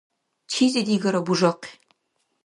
Чизи-дигара бужахъи.